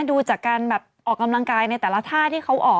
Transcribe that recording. ดูจากการแบบออกกำลังกายในแต่ละท่าที่เขาออก